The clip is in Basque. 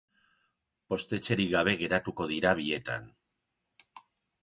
Postetxerik gabe geratuko dira bietan.